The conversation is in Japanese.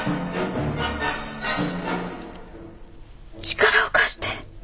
力を貸して！